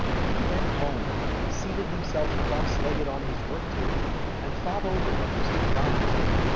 He went home, seated himself cross legged on his work table, and thought over what was to be done.